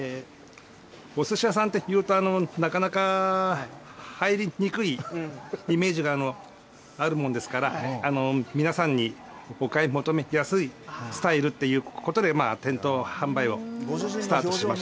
おすし屋さんって言うと、なかなか入りにくいイメージがあるもんですから、皆さんにお買い求めやすいスタイルっていうことで、店頭販売をスタートしました。